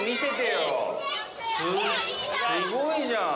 すごいじゃん！